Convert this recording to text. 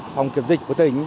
phòng kiểm dịch của tỉnh